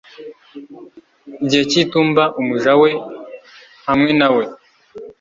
Igihe cy'itumba umuja we hamwe na we